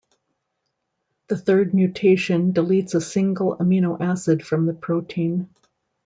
The third mutation deletes a single amino acid from the protein.